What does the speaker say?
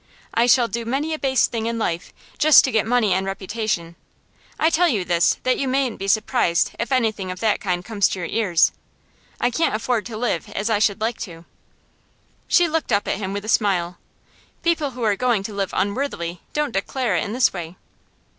I shall do many a base thing in life, just to get money and reputation; I tell you this that you mayn't be surprised if anything of that kind comes to your ears. I can't afford to live as I should like to.' She looked up at him with a smile. 'People who are going to live unworthily don't declare it in this way.